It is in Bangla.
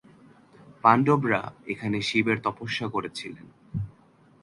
পাণ্ডবরা এখানে শিবের তপস্যা করেছিলেন।